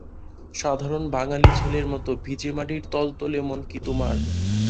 সাধারণ বাঙালি ছেলের মতো ভিজে মাটির তলতলে মন কি তোমার।